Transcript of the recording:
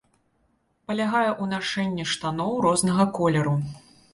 Палягае ў нашэнні штаноў рознага колеру.